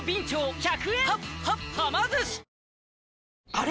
あれ？